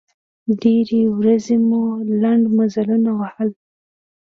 ډېرې ورځې مو لنډ مزلونه ووهل.